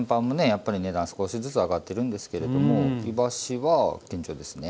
やっぱり値段少しずつ上がってるんですけれどもいわしは堅調ですね。